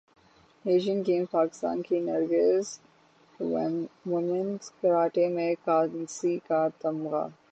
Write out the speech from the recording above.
Asian games Pakistan کی نرگس کا women's karate میں کانسی کا تمغہ